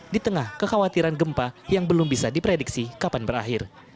di tengah kekhawatiran gempa yang belum bisa diprediksi kapan berakhir